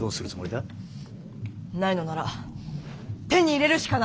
ないのなら手に入れるしかない。